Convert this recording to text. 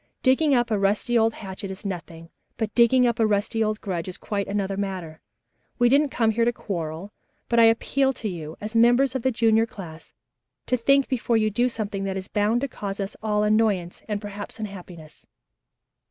Digging up a rusty old hatchet is nothing, but digging up a rusty old grudge is quite another matter. We didn't come here to quarrel, but I appeal to you, as members of the junior class, to think before you do something that is bound to cause us all annoyance and perhaps unhappiness."